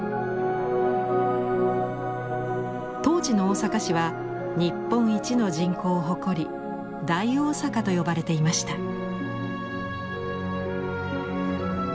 当時の大阪市は日本一の人口を誇り「大大阪」と呼ばれていました。